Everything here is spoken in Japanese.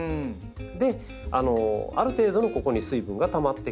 である程度のここに水分がたまってくれると。